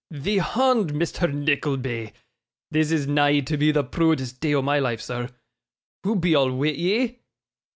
Thee hond, Misther Nickleby. This is nigh to be the proodest day o' my life, sir. Hoo be all wi' ye?